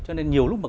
cho nên nhiều lúc mà